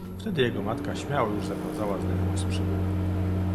Wtedy jego matka śmiało już zawiązała znajomość z przybyłymi.